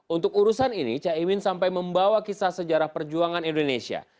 untuk urusan ini caimin sampai membawa kisah sejarah perjuangan indonesia